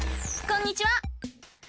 こんにちは！